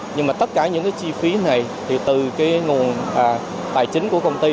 nhưng mà tất cả những chi phí này thì từ nguồn tài chính của công ty